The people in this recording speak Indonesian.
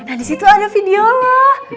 nah di situ ada video lo